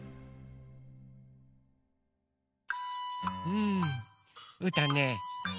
うんうーたんね